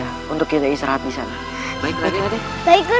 syai ini jadi rumah mereka ya ya